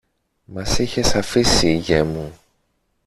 Μας είχες αφήσει, γιε μου